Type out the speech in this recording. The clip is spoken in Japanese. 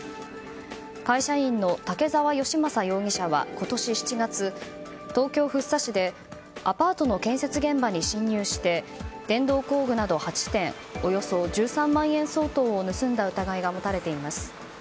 会社員の武沢良政容疑者は今年７月、東京・福生市でアパートの建設現場に侵入して電動工具など８点およそ１３万円相当を盗んだ疑いが持たれています。